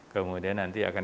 kemudian nanti akan ditemukan